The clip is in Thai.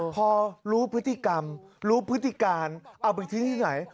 พอรู้พฤติกรรมรู้พฤติการเอาไปทิ้งที่ไหน